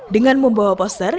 dengan membawa poster